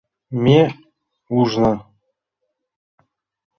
Ме ужна.